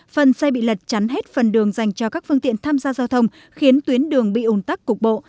phần xe bị lật chắn hết phần đường dành cho các phương tiện tham gia giao thông khiến tuyến đường bị ồn tắc cục bộ